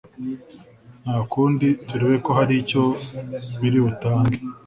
kwakundi turebe ko haricyo biri butange